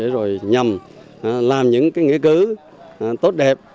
rồi nhầm làm những nghĩa cứ tốt đẹp